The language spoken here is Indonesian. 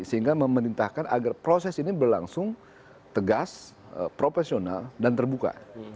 sehingga memerintahkan agar proses ini berlangsung tegas profesional dan terbuka